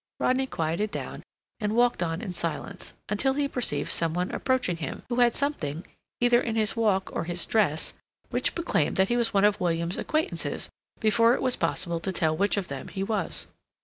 Rodney quieted down, and walked on in silence, until he perceived some one approaching him, who had something, either in his walk or his dress, which proclaimed that he was one of William's acquaintances before it was possible to tell which of them he was.